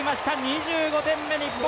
２５点目、日本！